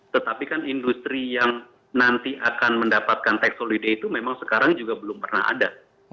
tetapi kan industri yang nanti akan mendapatkan tax holiday itu memang sekarang juga belum pernah ada